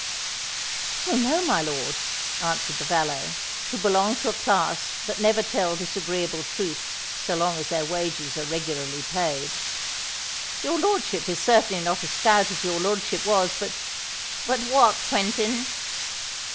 "Oh! no, my lord," answered the valet, who belonged to a class that never tell disagreeable truths so long as their wages are regularly paid. "Your lordship is certainly not so stout as your lordship was; but——" "But what, Quentin?"